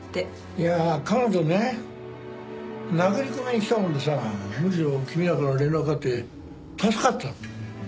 いや彼女ね殴り込みに来たもんでさむしろ君らから連絡があって助かったの。